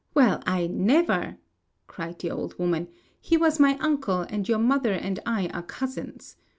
"Well, I never!" cried the old woman, "he was my uncle, and your mother and I are cousins.